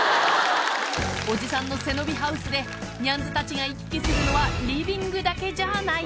おじさんの背伸びハウスで、ニャンズたちが行き来するのはリビングだけじゃない。